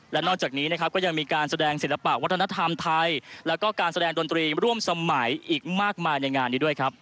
และนอกจากนี้นะครับก็ยังมีการแสดงศิลปะวัฒนธรรมไทยแล้วก็การแสดงดนตรีร่วมสมัยอีกมากมายในงานนี้ด้วยครับ